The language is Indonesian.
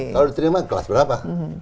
kalau diterima kelas berapa